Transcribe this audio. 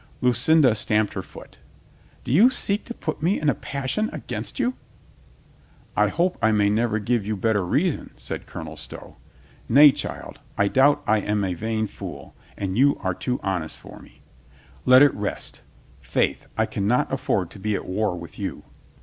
Lucinda stamped her foot. "Do you seek to put me in a passion against you?" "I hope I may never give you better reason," said 198 COLONEL GREATHEART Colonel Stow. "Nay, child, I doubt I am a vain fool, and you are too honest for me. Let it rest. Faith, I can not afford to be at war with you."